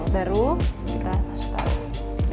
baru kita masukin lagi